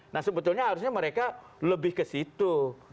nah sebetulnya harusnya mereka lebih ke situ